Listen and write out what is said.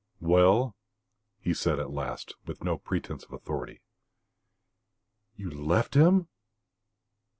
"Well?" he said at last, with no pretence of authority. "You left him?"